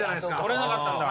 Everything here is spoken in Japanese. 取れなかったんだ。